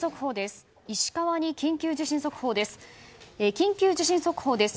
緊急地震速報です。